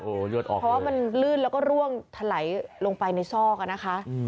โอ้โหเลือดออกเพราะว่ามันลื่นแล้วก็ร่วงถลายลงไปในซอกอ่ะนะคะ